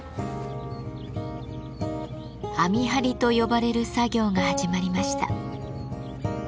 「網張り」と呼ばれる作業が始まりました。